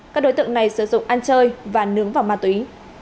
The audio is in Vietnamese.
các đối tượng này sử dụng ăn chơi và nướng vào ma túy